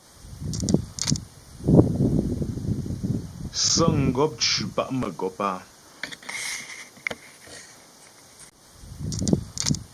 Sə̌ŋgɔp ncʉ pa' mə́gɔp áa.